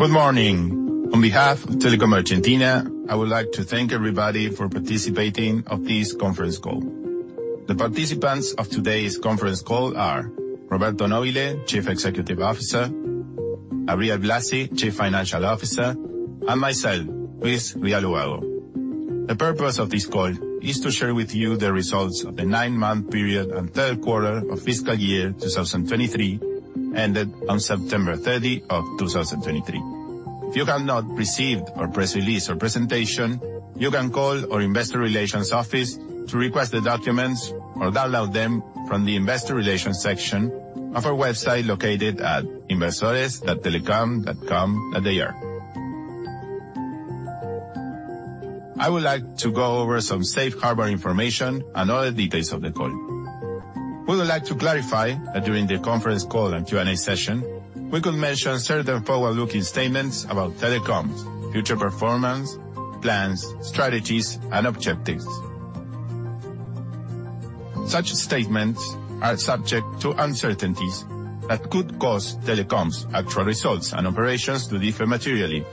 Good morning. On behalf of Telecom Argentina, I would like to thank everybody for participating of this conference call. The participants of today's conference call are Roberto Nobile, Chief Executive Officer, Gabriel Blasi, Chief Financial Officer, and myself, Luis Rial Ubago. The purpose of this call is to share with you the results of the nine-month period and third quarter of fiscal year 2023, ended on September 30 of 2023. If you have not received our press release or presentation, you can call our investor relations office to request the documents or download them from the Investor Relations section of our website, located at inversores.telecom.com.ar. I would like to go over some safe harbor information and other details of the call. We would like to clarify that during the conference call and Q&A session, we could mention certain forward-looking statements about Telecom's future performance, plans, strategies, and objectives. Such statements are subject to uncertainties that could cause Telecom's actual results and operations to differ materially.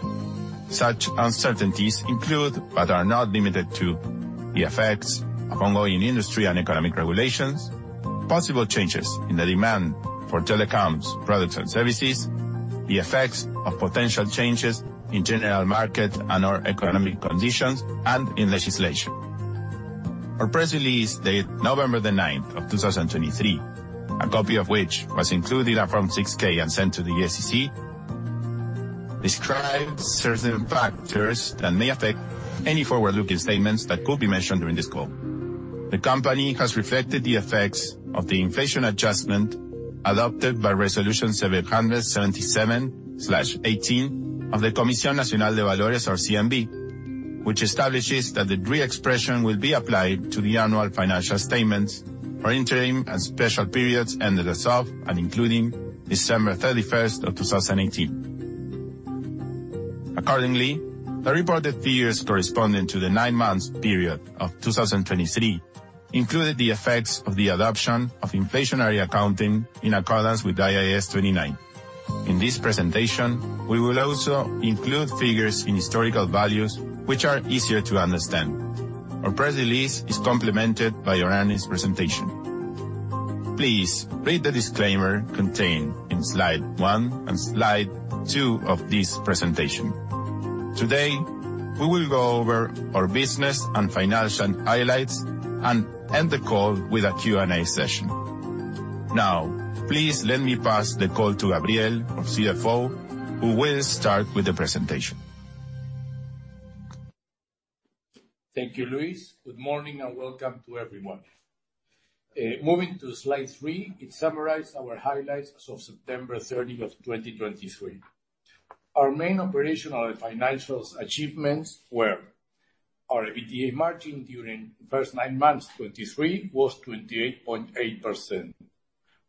Such uncertainties include, but are not limited to, the effects of ongoing industry and economic regulations, possible changes in the demand for Telecom's products and services, the effects of potential changes in general market and/or economic conditions, and in legislation. Our press release, dated November 9, 2023, a copy of which was included in our Form 6-K and sent to the SEC, describes certain factors that may affect any forward-looking statements that could be mentioned during this call. The company has reflected the effects of the inflation adjustment adopted by Resolution 777/18 of the Comisión Nacional de Valores or CNV, which establishes that the reexpression will be applied to the annual financial statements for interim and special periods ended as of, and including December 31, 2018. Accordingly, the reported figures corresponding to the nine months period of 2023 included the effects of the adoption of inflationary accounting in accordance with IAS 29. In this presentation, we will also include figures in historical values, which are easier to understand. Our press release is complemented by our earnings presentation. Please read the disclaimer contained in slide 1 and slide 2 of this presentation. Today, we will go over our business and financial highlights and end the call with a Q&A session. Now, please let me pass the call to Gabriel, our CFO, who will start with the presentation. Thank you, Luis. Good morning, and welcome to everyone. Moving to slide 3, it summarized our highlights as of September 30, 2023. Our main operational and financials achievements were: our EBITDA margin during the first nine months, 2023, was 28.8%.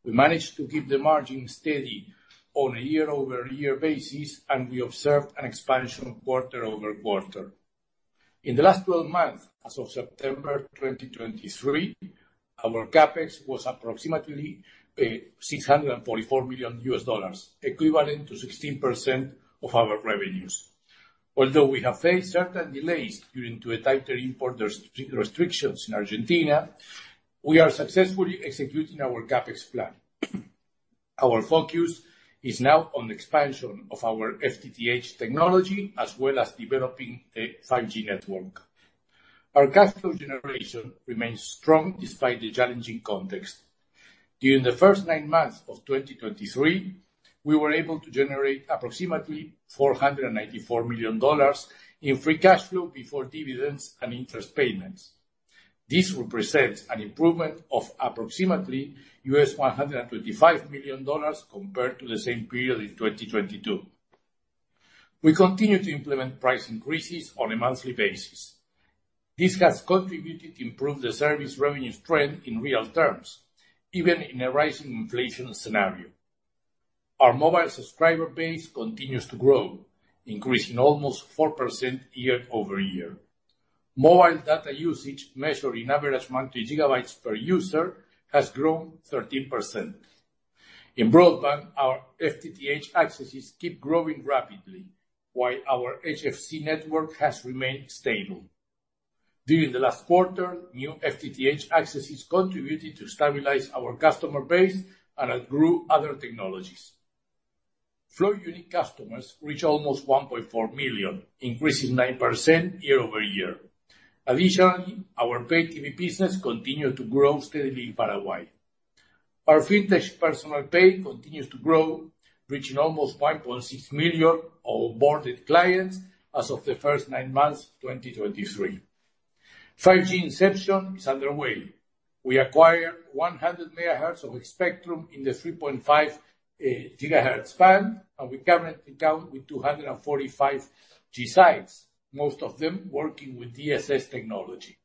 We managed to keep the margin steady on a year-over-year basis, and we observed an expansion quarter-over-quarter. In the last twelve months, as of September 2023, our CapEx was approximately $644 million, equivalent to 16% of our revenues. Although we have faced certain delays due to the tighter import restrictions in Argentina, we are successfully executing our CapEx plan. Our focus is now on the expansion of our FTTH technology, as well as developing the 5G network. Our cash flow generation remains strong despite the challenging context. During the first nine months of 2023, we were able to generate approximately $494 million in free cash flow before dividends and interest payments. This represents an improvement of approximately $125 million compared to the same period in 2022. We continue to implement price increases on a monthly basis. This has contributed to improve the service revenues trend in real terms, even in a rising inflation scenario. Our mobile subscriber base continues to grow, increasing almost 4% year-over-year. Mobile data usage, measured in average monthly gigabytes per user, has grown 13%. In broadband, our FTTH accesses keep growing rapidly, while our HFC network has remained stable. During the last quarter, new FTTH accesses contributed to stabilize our customer base and outgrew other technologies. Flow unique customers reached almost 1.4 million, increasing 9% year-over-year. Additionally, our pay TV business continued to grow steadily in Paraguay. Our fintech Personal Pay continues to grow, reaching almost 1.6 million onboarded clients as of the first nine months of 2023. 5G inception is underway. We acquired 100 MHz of spectrum in the 3.5 GHz band, and we currently count with 245 5G sites, most of them working with DSS technology.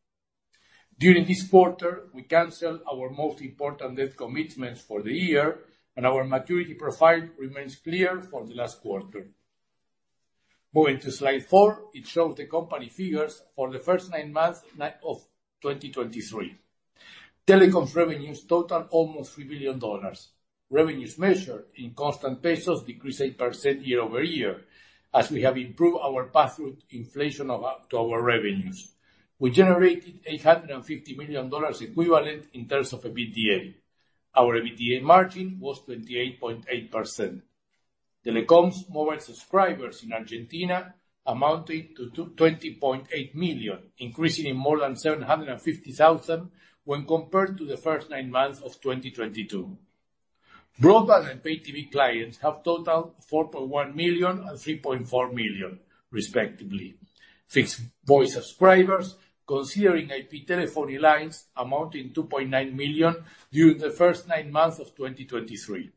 During this quarter, we canceled our most important debt commitments for the year, and our maturity profile remains clear for the last quarter. Moving to slide 4, it shows the company figures for the first nine months of 2023. Telecom's revenues totaled almost $3 billion. Revenues measured in constant pesos decreased 8% year-over-year, as we have improved our pass-through inflation of up to our revenues. We generated $850 million equivalent in terms of EBITDA. Our EBITDA margin was 28.8%. Telecom's mobile subscribers in Argentina amounted to 20.8 million, increasing in more than 750,000 when compared to the first nine months of 2022. Broadband and Pay TV clients have totaled 4.1 million and 3.4 million, respectively. Fixed voice subscribers, considering IP telephony lines, amounting 2.9 million during the first nine months of 2023.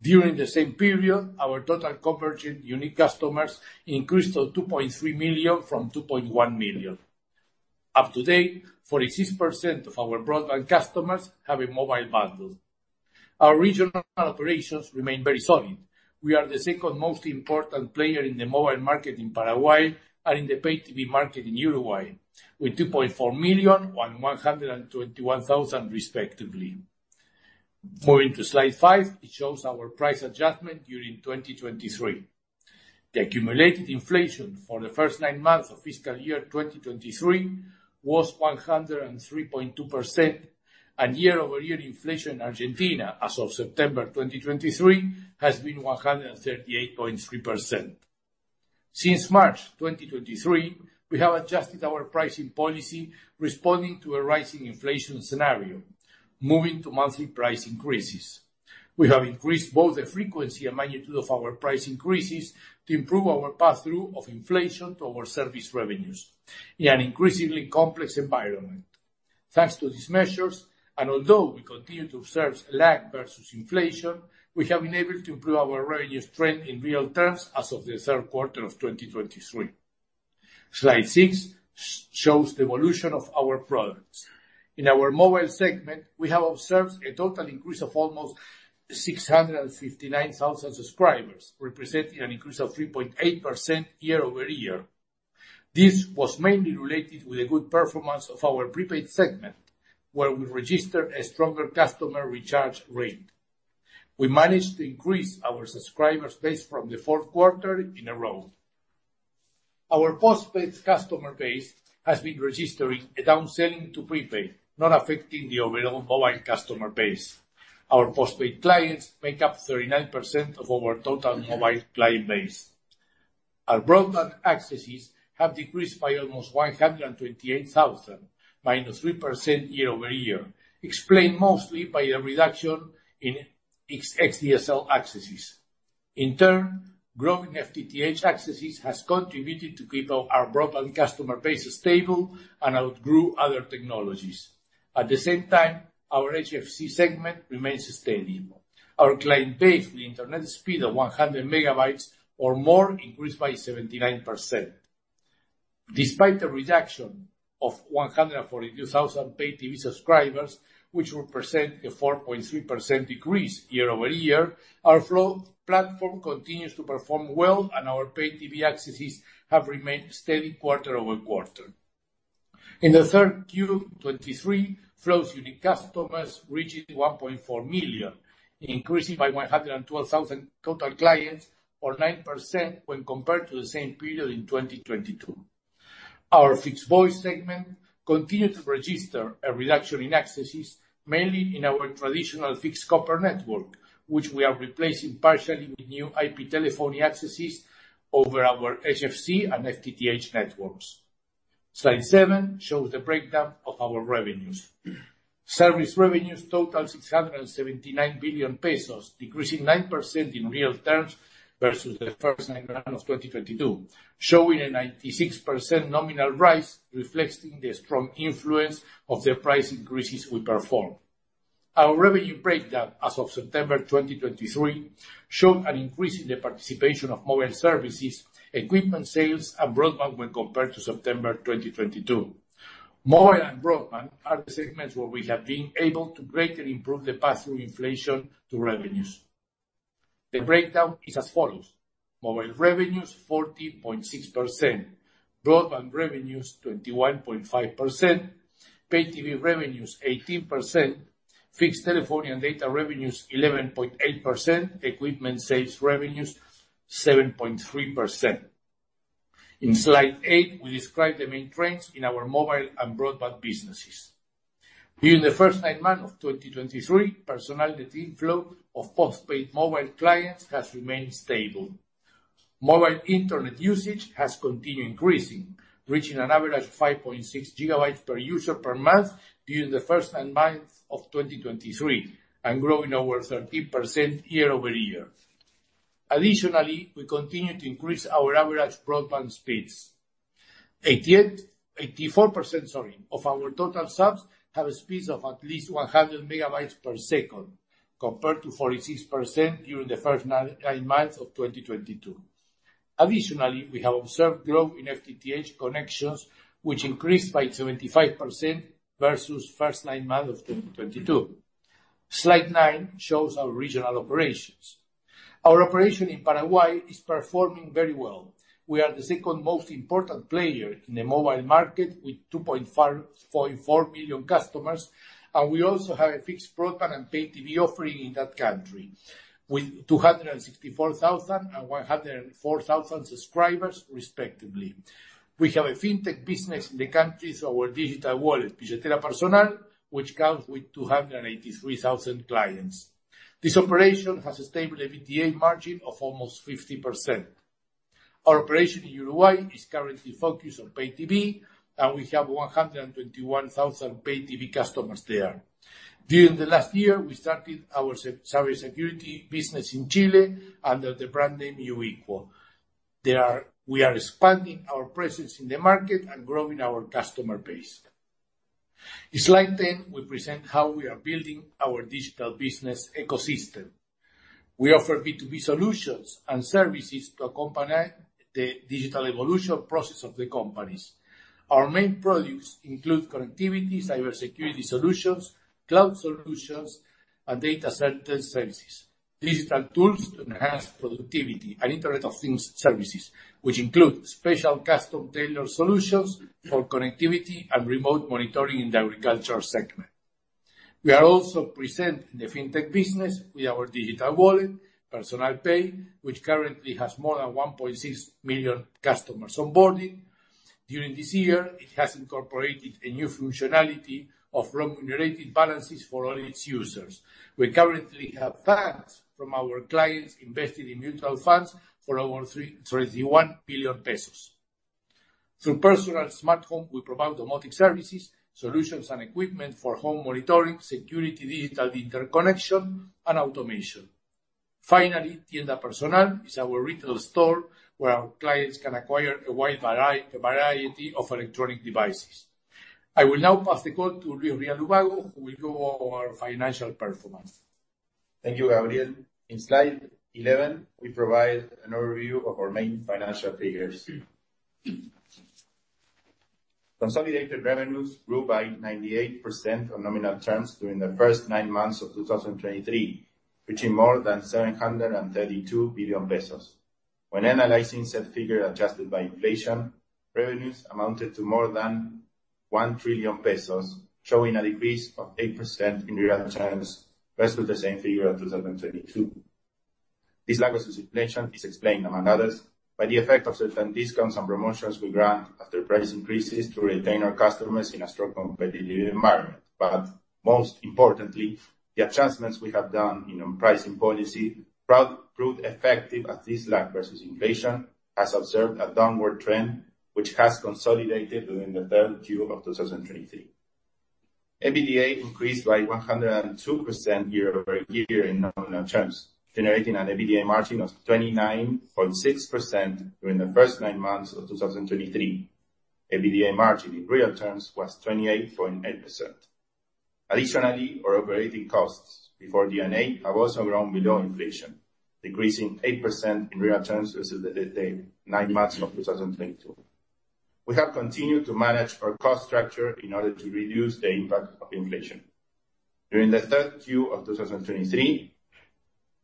During the same period, our total convergent unique customers increased to 2.3 million from 2.1 million. Up to date, 46% of our broadband customers have a mobile bundle. Our regional operations remain very solid. We are the second most important player in the mobile market in Paraguay and in the pay TV market in Uruguay, with 2.4 million and 121,000, respectively. Moving to slide 5, it shows our price adjustment during 2023. The accumulated inflation for the first nine months of fiscal year 2023 was 103.2%, and year-over-year inflation in Argentina as of September 2023, has been 138.3%. Since March 2023, we have adjusted our pricing policy, responding to a rising inflation scenario, moving to monthly price increases. We have increased both the frequency and magnitude of our price increases to improve our pass-through of inflation to our service revenues in an increasingly complex environment. Thanks to these measures, and although we continue to observe lag versus inflation, we have been able to improve our revenue trend in real terms as of the third quarter of 2023. Slide six shows the evolution of our products. In our mobile segment, we have observed a total increase of almost 659,000 subscribers, representing an increase of 3.8% year-over-year. This was mainly related with the good performance of our prepaid segment, where we registered a stronger customer recharge rate. We managed to increase our subscriber base from the fourth quarter in a row. Our postpaid customer base has been registering a down selling to prepaid, not affecting the overall mobile customer base. Our postpaid clients make up 39% of our total mobile client base. Our broadband accesses have decreased by almost 128,000, -3% year-over-year, explained mostly by a reduction in xDSL accesses. In turn, growing FTTH accesses has contributed to keep our broadband customer base stable and outgrew other technologies. At the same time, our HFC segment remains steady. Our client base with Internet speed of 100 MB or more increased by 79%. Despite the reduction of 142,000 Pay TV subscribers, which represent a 4.3% decrease year-over-year, our Flow platform continues to perform well, and our Pay TV accesses have remained steady quarter-over-quarter. In the 3Q 2023, Flow's unique customers reached 1.4 million, increasing by 112,000 total clients or 9% when compared to the same period in 2022. Our fixed voice segment continued to register a reduction in accesses, mainly in our traditional fixed copper network, which we are replacing partially with new IP telephony accesses over our HFC and FTTH networks. Slide 7 shows the breakdown of our revenues. Service revenues totaled 679 billion pesos, decreasing 9% in real terms versus the first nine months of 2022, showing a 96% nominal rise, reflecting the strong influence of the price increases we performed. Our revenue breakdown as of September 2023, showed an increase in the participation of mobile services, equipment sales, and broadband when compared to September 2022. Mobile and broadband are the segments where we have been able to greatly improve the pass-through inflation to revenues. The breakdown is as follows: Mobile revenues, 40.6%; broadband revenues, 21.5%; Pay TV revenues, 18%; fixed telephony and data revenues, 11.8%; equipment sales revenues, 7.3%. In slide eight, we describe the main trends in our mobile and broadband businesses. During the first nine months of 2023, Personal net inflow of postpaid mobile clients has remained stable. Mobile internet usage has continued increasing, reaching an average of 5.6 GB per user per month during the first nine months of 2023, and growing over 13% year-over-year. Additionally, we continue to increase our average broadband speeds. 84%, sorry, of our total subs have a speed of at least 100 Mbps, compared to 46% during the first nine months of 2022. Additionally, we have observed growth in FTTH connections, which increased by 75% versus first nine months of 2022. Slide 9 shows our regional operations. Our operation in Paraguay is performing very well. We are the second most important player in the mobile market, with 2.54 million customers, and we also have a fixed broadband and Pay TV offering in that country, with 264,000 and 104,000 subscribers, respectively. We have a fintech business in the countries, our digital wallet, Billetera Personal, which comes with 283,000 clients. This operation has a stable EBITDA margin of almost 50%. Our operation in Uruguay is currently focused on Pay TV, and we have 121,000 Pay TV customers there. During the last year, we started our cybersecurity business in Chile under the brand name [Núcleo]. We are expanding our presence in the market and growing our customer base. In slide 10, we present how we are building our digital business ecosystem. We offer B2B solutions and services to accompany the digital evolution process of the companies. Our main products include connectivity, cybersecurity solutions, cloud solutions, and data center services, digital tools to enhance productivity, and Internet of Things services, which include special custom tailor solutions for connectivity and remote monitoring in the agricultural segment. We are also present in the fintech business with our digital wallet, Personal Pay, which currently has more than 1.6 million customers onboarding. During this year, it has incorporated a new functionality of remunerated balances for all its users. We currently have funds from our clients invested in mutual funds for over 331 billion pesos. Through Personal Smart Home, we provide domotic services, solutions, and equipment for home monitoring, security, digital interconnection, and automation. Finally, Tienda Personal is our retail store, where our clients can acquire a wide a variety of electronic devices. I will now pass the call to Luis Rial Ubago, who will go over our financial performance. Thank you, Gabriel. In slide 11, we provide an overview of our main financial figures. Consolidated revenues grew by 98% on nominal terms during the first 9 months of 2023, reaching more than 732 billion pesos. When analyzing said figure, adjusted by inflation, revenues amounted to more than 1 trillion pesos, showing a decrease of 8% in real terms versus the same figure of 2022. This lag versus inflation is explained, among others, by the effect of certain discounts and promotions we grant after price increases to retain our customers in a strong competitive environment. But most importantly, the adjustments we have done in our pricing policy proved effective, as this lag versus inflation has observed a downward trend, which has consolidated during the 3Q of 2023. EBITDA increased by 102% year-over-year in nominal terms, generating an EBITDA margin of 29.6% during the first nine months of 2023. EBITDA margin in real terms was 28.8%. Additionally, our operating costs before D&A have also grown below inflation, decreasing 8% in real terms versus the nine months of 2022. We have continued to manage our cost structure in order to reduce the impact of inflation. During the 3Q of 2023,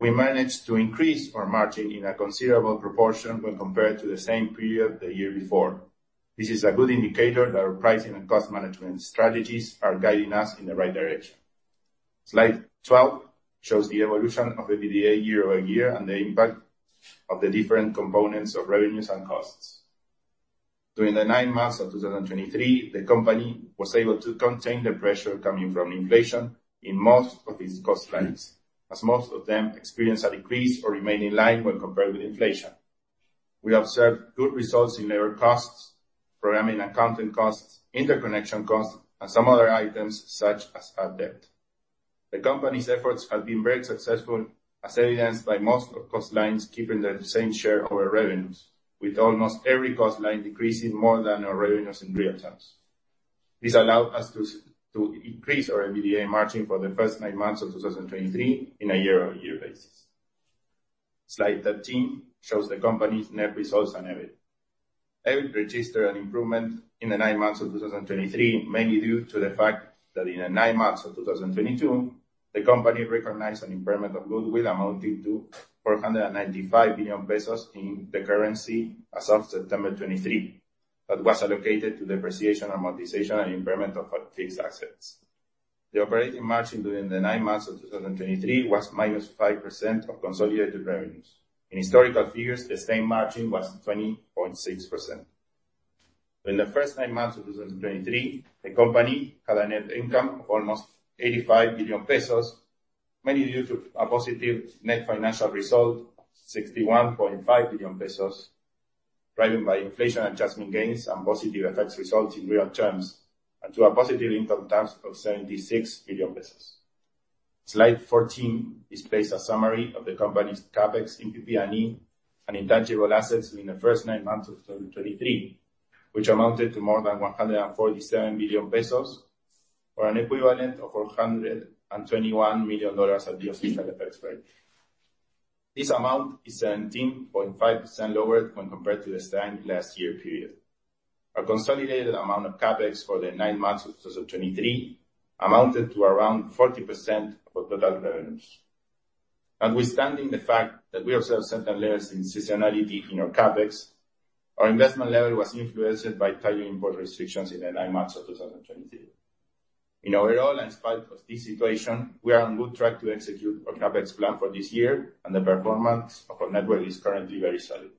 we managed to increase our margin in a considerable proportion when compared to the same period the year before. This is a good indicator that our pricing and cost management strategies are guiding us in the right direction. Slide 12 shows the evolution of EBITDA year over year and the impact of the different components of revenues and costs. During the nine months of 2023, the company was able to contain the pressure coming from inflation in most of these cost lines, as most of them experienced a decrease or remained in line when compared with inflation. We observed good results in labor costs, programming and content costs, interconnection costs, and some other items such as bad debt. The company's efforts have been very successful, as evidenced by most of cost lines keeping the same share of our revenues, with almost every cost line decreasing more than our revenues in real terms. This allowed us to increase our EBITDA margin for the first nine months of 2023 in a year-over-year basis. Slide 13 shows the company's net results and EBIT. EBIT registered an improvement in the nine months of 2023, mainly due to the fact that in the nine months of 2022, the company recognized an impairment of goodwill amounting to 495 billion pesos in the currency as of September 2023. That was allocated to depreciation, amortization, and impairment of fixed assets. The operating margin during the nine months of 2023 was -5% of consolidated revenues. In historical figures, the same margin was 20.6%. In the first nine months of 2023, the company had a net income of almost 85 billion pesos, mainly due to a positive net financial result, 61.5 billion pesos, driven by inflation adjustment gains and positive effects results in real terms, and to a positive income tax of 76 billion pesos. Slide 14 displays a summary of the company's CapEx in PP&E and intangible assets during the first nine months of 2023, which amounted to more than 147 billion pesos, or an equivalent of $421 million at the official exchange rate. This amount is 17.5% lower when compared to the same last year period. Our consolidated amount of CapEx for the nine months of 2023 amounted to around 40% of our total revenues. Notwithstanding the fact that we observe certain layers in seasonality in our CapEx, our investment level was influenced by tighter import restrictions in the nine months of 2023. In overall, in spite of this situation, we are on good track to execute our CapEx plan for this year, and the performance of our network is currently very solid.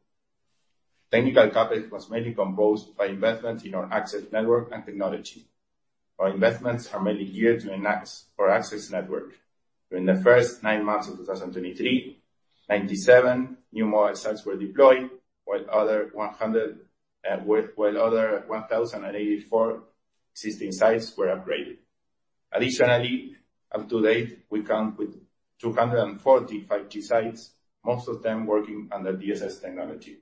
Technical CapEx was mainly composed by investments in our access network and technology. Our investments are mainly geared to enhance our access network. During the first nine months of 2023, 97 new mobile sites were deployed, while other 1,084 existing sites were upgraded. Additionally, to date, we count with 240 5G sites, most of them working under DSS technology.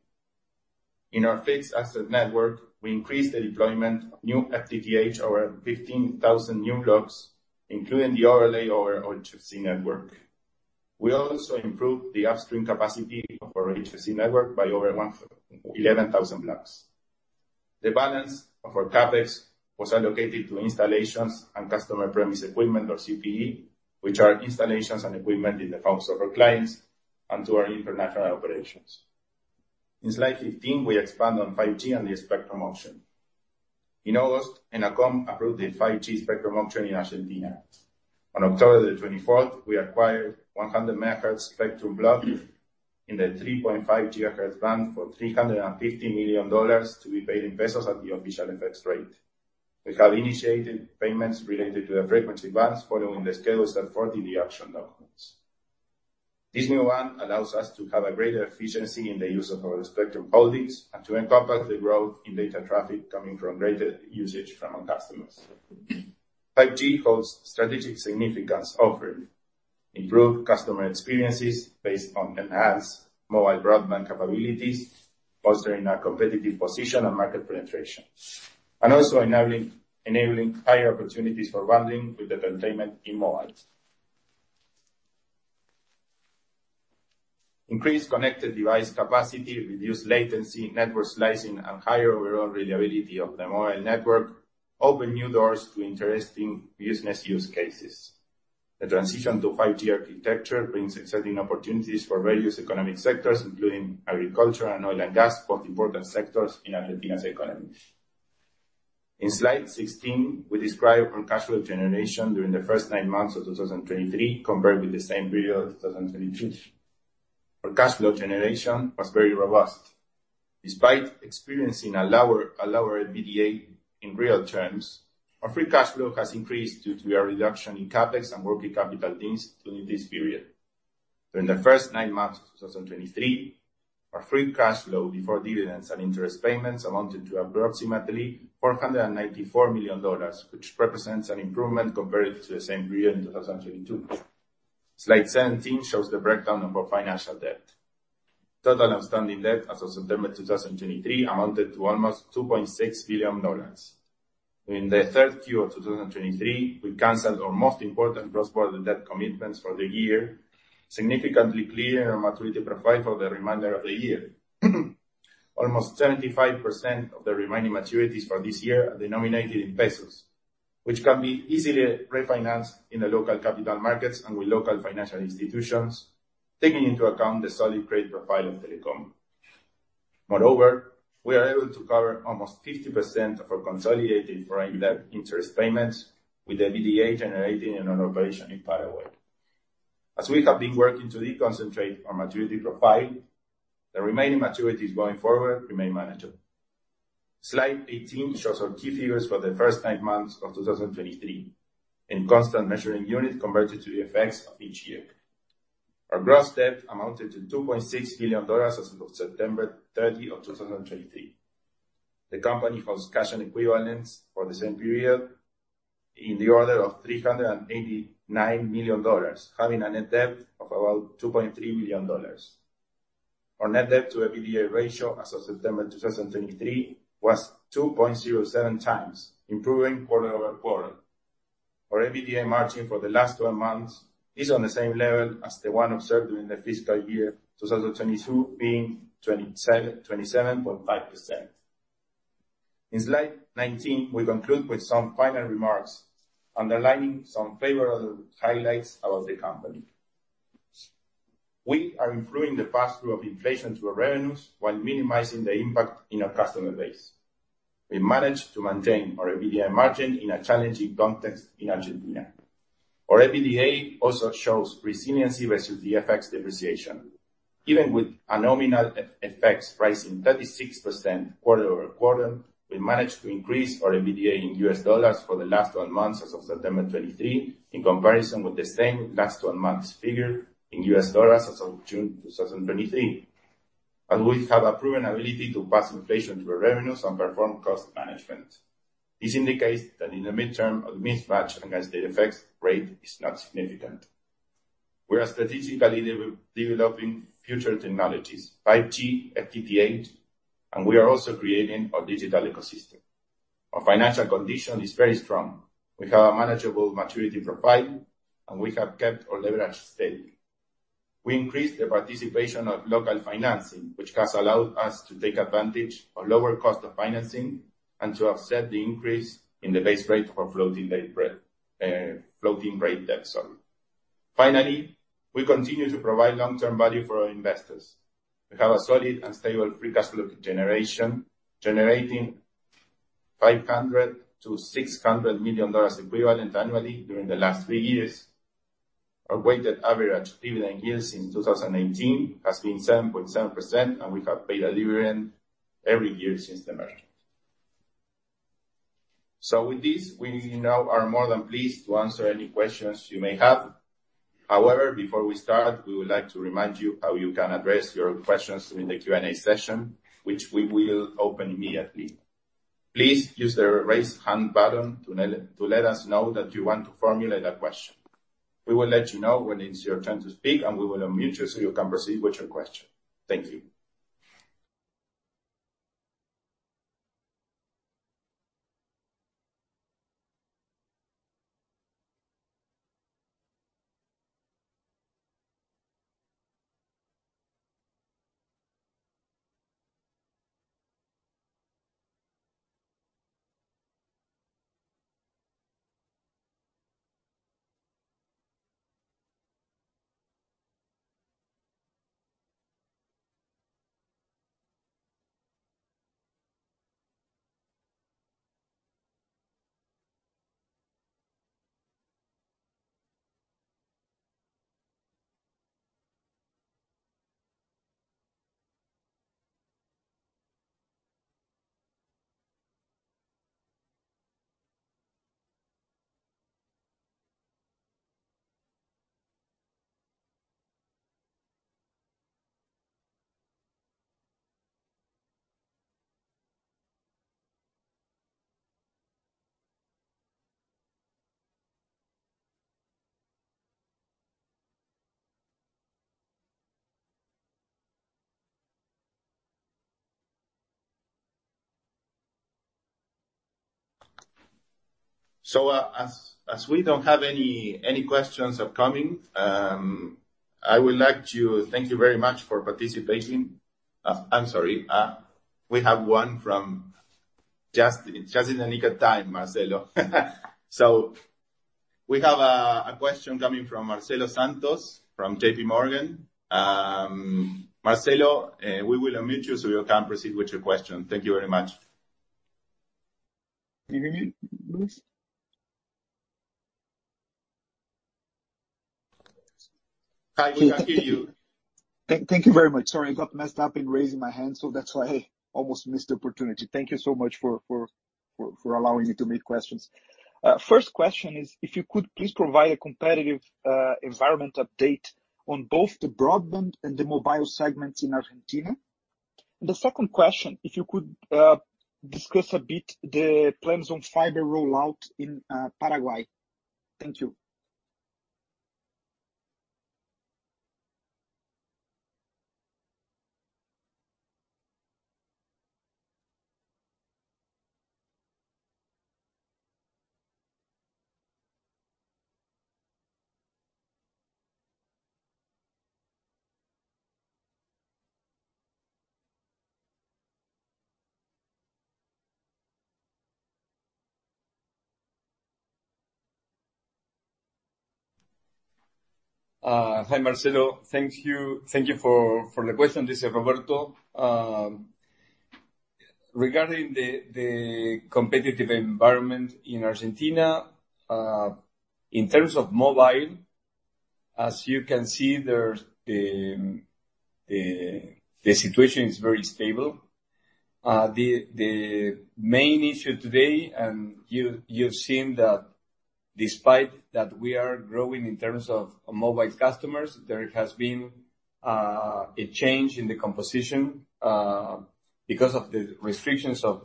In our fixed asset network, we increased the deployment of new FTTH over 15,000 new blocks, including the overlay over HFC network. We also improved the upstream capacity of our HFC network by over 11,000 blocks. The balance of our CapEx was allocated to installations and customer premises equipment or CPE, which are installations and equipment in the homes of our clients and to our international operations. In slide 15, we expand on 5G and the spectrum auction. In August, ENACOM approved the 5G spectrum auction in Argentina. On October 24, we acquired 100 MHz spectrum block in the 3.5 GHz band for $350 million, to be paid in pesos at the official FX rate. We have initiated payments related to the frequency bands following the schedules set forth in the auction documents. This new one allows us to have a greater efficiency in the use of our spectrum holdings and to encompass the growth in data traffic coming from greater usage from our customers. 5G holds strategic significance, offering improved customer experiences based on enhanced mobile broadband capabilities, fostering our competitive position and market penetration, and also enabling, enabling higher opportunities for bundling with entertainment in mobile. Increased connected device capacity, reduced latency, network slicing, and higher overall reliability of the mobile network open new doors to interesting business use cases. The transition to 5G architecture brings exciting opportunities for various economic sectors, including agriculture and oil and gas, both important sectors in Argentina's economy. In slide 16, we describe our cash flow generation during the first nine months of 2023, compared with the same period of 2022. Our cash flow generation was very robust. Despite experiencing a lower EBITDA in real terms, our free cash flow has increased due to a reduction in CapEx and working capital gains during this period. During the first nine months of 2023, our free cash flow before dividends and interest payments amounted to approximately $494 million, which represents an improvement compared to the same period in 2022. Slide 17 shows the breakdown of our financial debt. Total outstanding debt as of September 2023 amounted to almost $2.6 billion. In the 3Q of 2023, we canceled our most important prospective debt commitments for the year, significantly clearing our maturity profile for the remainder of the year. Almost 75% of the remaining maturities for this year are denominated in pesos, which can be easily refinanced in the local capital markets and with local financial institutions, taking into account the solid credit profile of Telecom. Moreover, we are able to cover almost 50% of our consolidated foreign debt interest payments with the EBITDA generating in our operation in Paraguay. As we have been working to deconcentrate our maturity profile, the remaining maturities going forward remain manageable. Slide 18 shows our key figures for the first nine months of 2023, in constant measuring unit converted to the effects of each year. Our gross debt amounted to $2.6 billion as of September 30, 2023. The company holds cash and equivalents for the same period in the order of $389 million, having a net debt of about $2.3 billion. Our net debt to EBITDA Ratio as of September 2023 was 2.07x, improving quarter-over-quarter. Our EBITDA margin for the last 12 months is on the same level as the one observed during the fiscal year 2022, being 27%-27.5%. In slide 19, we conclude with some final remarks, underlining some favorable highlights about the company. We are influencing the pass-through of inflation to our revenues while minimizing the impact in our customer base. We managed to maintain our EBITDA margin in a challenging context in Argentina. Our EBITDA also shows resiliency versus the FX depreciation. Even with a nominal FX price in 36% quarter-over-quarter, we managed to increase our EBITDA in U.S. dollars for the last 12 months as of September 2023, in comparison with the same last 12 months figure in U.S. dollars as of June 2023. And we have a proven ability to pass inflation to our revenues and perform cost management. This indicates that in the mid-term, our mismatch against the FX rate is not significant. We are strategically developing future technologies, 5G, FTTH, and we are also creating our digital ecosystem. Our financial condition is very strong. We have a manageable maturity profile, and we have kept our leverage steady. We increased the participation of local financing, which has allowed us to take advantage of lower cost of financing and to offset the increase in the base rate for floating rate, floating rate debt service. Finally, we continue to provide long-term value for our investors. We have a solid and stable free cash flow generation, generating $500 million-$600 million equivalent annually during the last three years. Our weighted average dividend yields since 2018 has been 7.7%, and we have paid a dividend every year since the merger. So with this, we now are more than pleased to answer any questions you may have. However, before we start, we would like to remind you how you can address your questions during the Q&A session, which we will open immediately. Please use the Raise Hand button to let us know that you want to formulate a question. We will let you know when it's your turn to speak, and we will unmute you so you can proceed with your question. Thank you. So, as we don't have any questions upcoming, I would like to thank you very much for participating. I'm sorry. We have one from Justin. Just in the nick of time, Marcelo. So we have a question coming from Marcelo Santos, from J.P. Morgan. Marcelo, we will unmute you so you can proceed with your question. Thank you very much. Can you hear me, Luis? Hi, we can hear you. Thank you very much. Sorry, I got messed up in raising my hand, so that's why I almost missed the opportunity. Thank you so much for allowing me to make questions. First question is, if you could please provide a competitive environment update on both the broadband and the mobile segments in Argentina. The second question, if you could discuss a bit the plans on fiber rollout in Paraguay. Thank you. Hi, Marcelo. Thank you. Thank you for the question. This is Roberto. Regarding the competitive environment in Argentina, in terms of mobile, as you can see, the situation is very stable. The main issue today, and you've seen that despite that, we are growing in terms of mobile customers. There has been a change in the composition, because of the restrictions of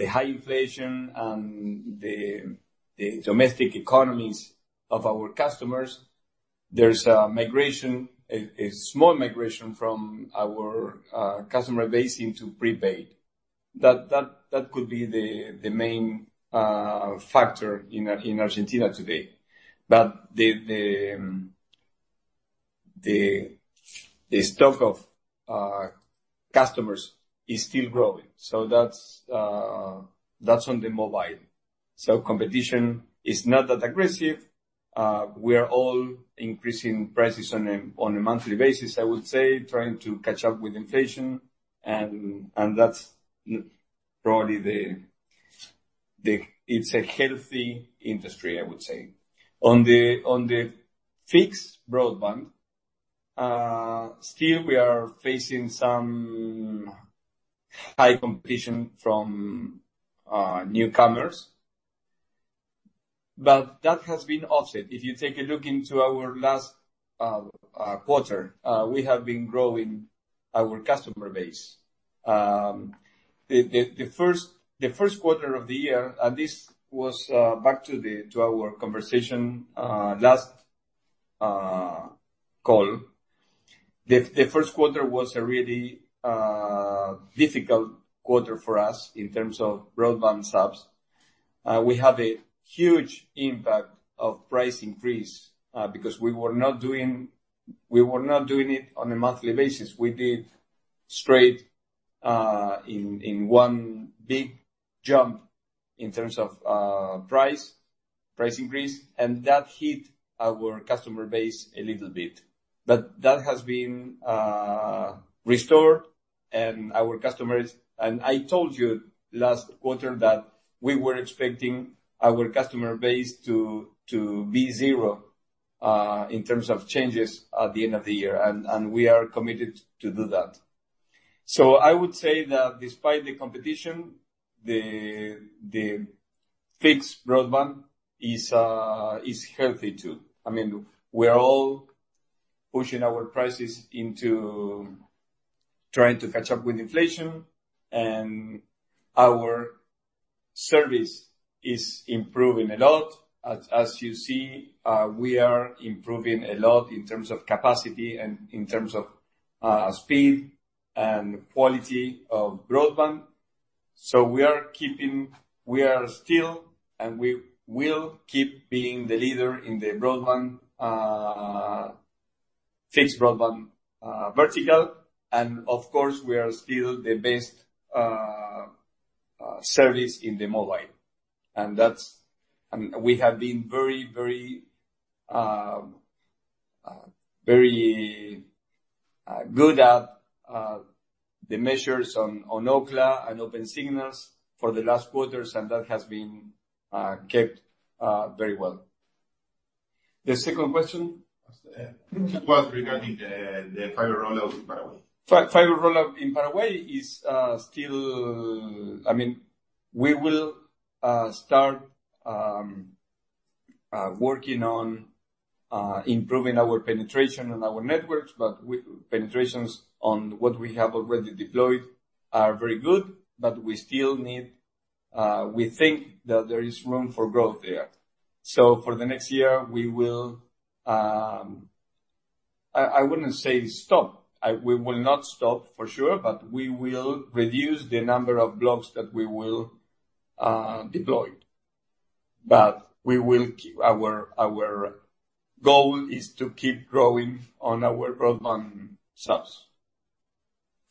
the high inflation and the domestic economies of our customers. There's a migration, a small migration from our customer base into prepaid. That could be the main factor in Argentina today. But the stock of customers is still growing, so that's on the mobile. So competition is not that aggressive. We are all increasing prices on a monthly basis, I would say, trying to catch up with inflation, and that's probably the-- It's a healthy industry, I would say. On the fixed broadband, still we are facing some high competition from newcomers, but that has been offset. If you take a look into our last quarter, we have been growing our customer base. The first quarter of the year, and this was back to our conversation last call-- The first quarter was a really difficult quarter for us in terms of broadband subs. We had a huge impact of price increase because we were not doing it on a monthly basis. We did straight in one big jump in terms of price, price increase, and that hit our customer base a little bit. But that has been restored, and our customers and I told you last quarter that we were expecting our customer base to be zero in terms of changes at the end of the year, and we are committed to do that. So I would say that despite the competition, the fixed broadband is healthy, too. I mean, we're all pushing our prices into trying to catch up with inflation, and our service is improving a lot. As you see, we are improving a lot in terms of capacity and in terms of speed and quality of broadband. So we are keeping. We are still, and we will keep being the leader in the broadband, fixed broadband, vertical. And of course, we are still the best service in the mobile. And that's, and we have been very, very, very good at the measures on Ookla and Opensignal for the last quarters, and that has been kept very well. The second question? It was regarding the fiber rollout in Paraguay. Fiber rollout in Paraguay is still-- I mean, we will start working on improving our penetration on our networks, but penetrations on what we have already deployed are very good, but we still need, we think that there is room for growth there. So for the next year, we will, I wouldn't say stop. We will not stop for sure, but we will reduce the number of blocks that we will deploy. But we will keep-- Our goal is to keep growing on our broadband subs,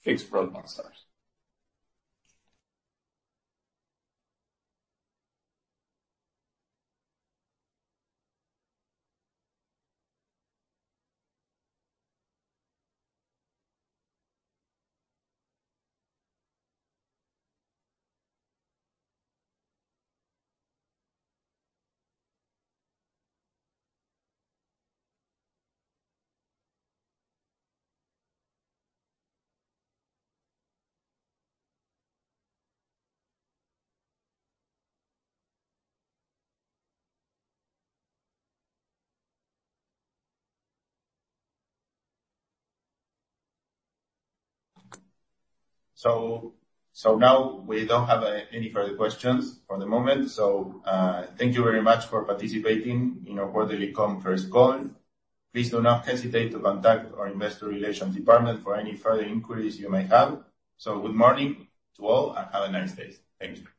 fixed broadband subs. So now we don't have any further questions for the moment. So thank you very much for participating in our quarterly conference call. Please do not hesitate to contact our investor relations department for any further inquiries you may have. Good morning to all, and have a nice day. Thank you.